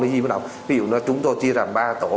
ví dụ chúng tôi chia làm ba tổ